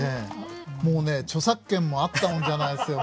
もうね著作権もあったもんじゃないですよ。